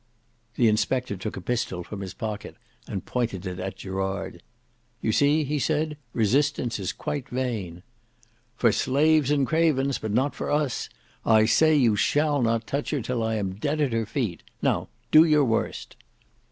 The inspector took a pistol from his pocket and pointed it at Gerard. "You see," he said, "resistance is quite vain." "For slaves and cravens, but not for us. I say you shall not touch her till I am dead at her feet. Now, do your worst."